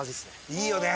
いいよね。